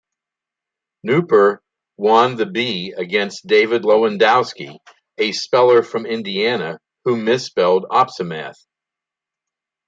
Nupur won the bee against David Lewandowski, a speller from Indiana who misspelled opsimath.